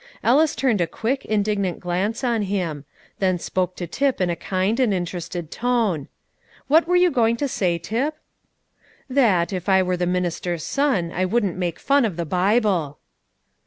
Ellis turned a quick, indignant glance on him; then spoke to Tip in a kind and interested tone: "What were you going to say, Tip." "That, if I were the minister's son, I wouldn't make fun of the Bible."